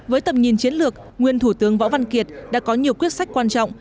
với tầm nhìn chiến lược nguyên thủ tướng võ văn kiệt đã có nhiều quyết sách quan trọng